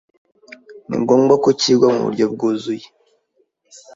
ni ngombwa ko cyigwa mu buryo bwuzuye